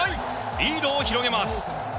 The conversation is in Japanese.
リードを広げます。